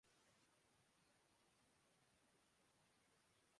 کھاتے آج کے نہیں ہیں۔